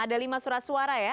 ada lima surat suara ya